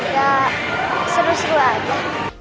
ya seru sekali aja